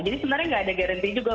jadi sebenarnya enggak ada garanti juga